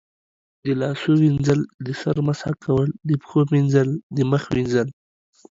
د لاسونو وینځل، د سر مسح کول، د پښو مینځل، د مخ وینځل